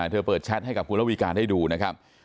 เธอเปิดชัดให้กับครัววิการได้ดูนะครับ